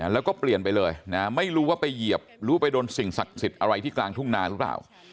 แล้วก็เปลี่ยนไปเลยนะไม่รู้ว่าไปเหยียบรู้ไปโดนสิ่งศักดิ์สิทธิ์อะไรที่กลางทุ่งนาหรือเปล่า